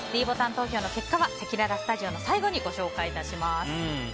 ｄボタン投票の結果はせきららスタジオの最後にご紹介致します。